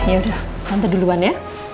yaudah tante duluan ya